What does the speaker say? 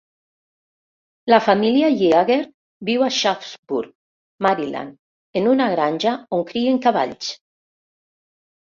La família Yeager viu a Sharpsburg, Maryland, en una granja on crien cavalls.